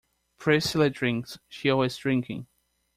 Priscilla drinks — she's always drinking.